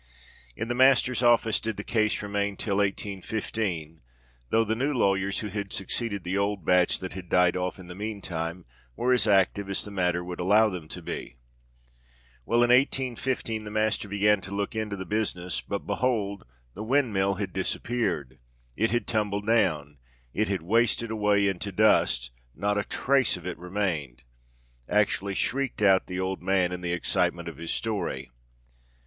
In the Master's office did the case remain till 1815—though the new lawyers who had succeeded the old batch that had died off in the meantime, were as active as the matter would allow them to be. Well—in 1815 the Master began to look into the business; but, behold! the windmill had disappeared—it had tumbled down—it had wasted away into dust—not a trace of it remained!" actually shrieked out the old man, in the excitement of his story.